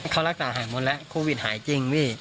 เขารักษาหายหมดแล้วโควิดหายจริงพี่